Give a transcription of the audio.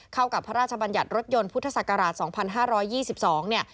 เข้ากับพระราชบัญญัติรถยนต์พุทธศักราช๒๕๒๒